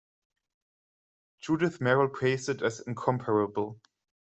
Judith Merril praised it as "incomparable".